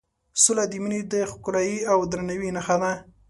سوله د مینې د ښکلایې او درناوي نښه ده.